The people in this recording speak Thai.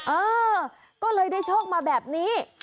เออก็เลยได้โชคมาแบบนี้